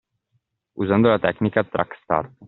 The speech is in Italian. Usando la tecnica “track start”.